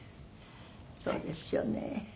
そうですよね。